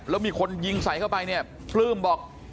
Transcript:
แล้วมีคนยิงใส่เข้าไปเนี่ยปลื้มบอก